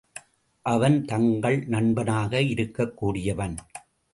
அவன் தங்கள் நண்பனாக இருக்கக் கூடியவன்.